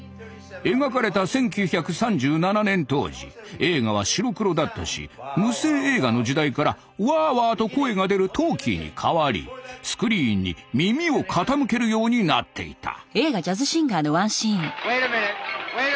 描かれた１９３７年当時映画は白黒だったし無声映画の時代からワーワーと声が出るトーキーに変わりスクリーンに耳を傾けるようになっていた。